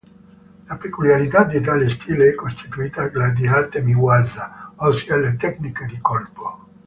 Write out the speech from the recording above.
La peculiarità di tale stile è costituita dagli atemi-waza, ossia le tecniche di colpo.